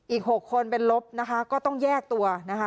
อีก๖คนเป็นลบนะคะก็ต้องแยกตัวนะคะ